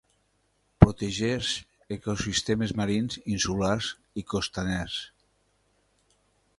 Protegeix ecosistemes marins, insulars i costaners.